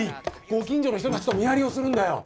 ご近所の人たちと見張りをするんだよ。